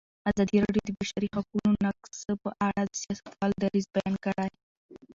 ازادي راډیو د د بشري حقونو نقض په اړه د سیاستوالو دریځ بیان کړی.